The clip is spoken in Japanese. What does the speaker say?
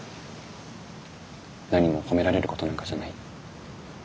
何も褒められることなんかじゃない。